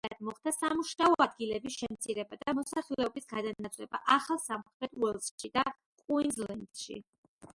შედეგად მოხდა სამუშაო ადგილების შემცირება და მოსახლეობის გადანაცვლება ახალ სამხრეთ უელსში და კუინზლენდში.